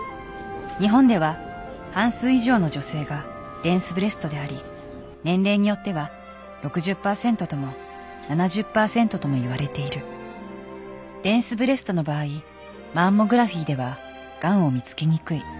「日本では半数以上の女性がデンスブレストであり年齢によっては６０％とも７０％ともいわれている」「デンスブレストの場合マンモグラフィーではがんを見つけにくい」